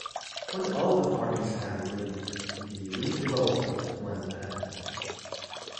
When all the parties had agreed, the redevelopment went ahead.